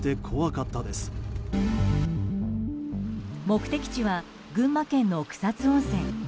目的地は群馬県の草津温泉。